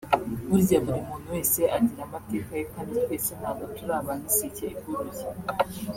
burya buri muntu wese agira amateka ye kandi twese ntabwo turi ba miseke igoroye